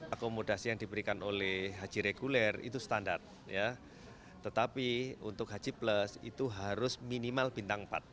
akomodasi yang diberikan oleh haji reguler itu standar tetapi untuk haji plus itu harus minimal bintang empat